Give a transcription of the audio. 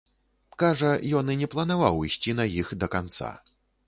Кажа, ён і не планаваў ісці на іх да канца.